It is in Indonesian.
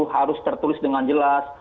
harus tertulis dengan jelas